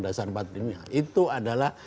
dasar empat timnya itu adalah